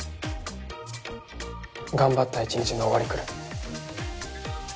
頑張った一日の終わりくらい。